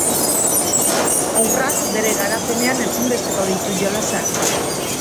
Haurrak bere garapenean ezinbesteko ditu jolasak.